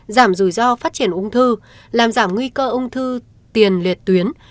giảm rủi ro phát triển ung thư làm giảm nguy cơ ung thư tiền liệt tuyến